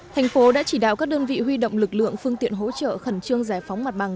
thành phố đã chỉ đạo các đơn vị huy động lực lượng phương tiện hỗ trợ khẩn trương giải phóng mặt bằng